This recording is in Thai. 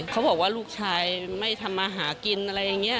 เขาบอกว่าลูกชายไม่ทำมาหากินอะไรอย่างนี้